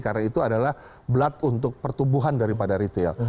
karena itu adalah belat untuk pertumbuhan daripada retail